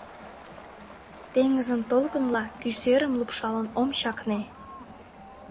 Теҥызын толкынла кӱ серым лупшалын ом чакне.